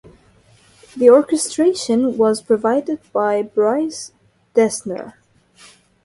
The orchestration was provided by Bryce Dessner.